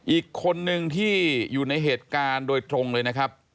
อีกคนนึงที่อยู่ในเหตุการณ์โดยตรงเลยนะครับ